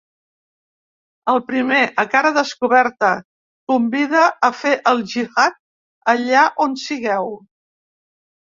El primer, a cara descoberta, convida a fer el gihad ‘allà on sigueu’.